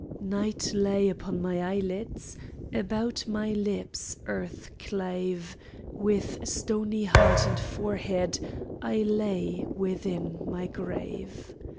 Night lay upon my eyelids, About my lips earth clave; With stony heart and forehead I lay within my grave.